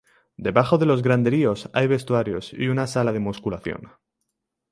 Debajo de los graderíos hay vestuarios y una sala de musculación.